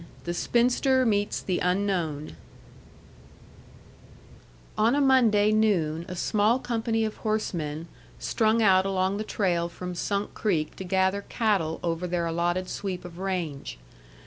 THE SPINSTER MEETS THE UNKNOWN On a Monday noon a small company of horsemen strung out along the trail from Sunk Creek to gather cattle over their allotted sweep of range.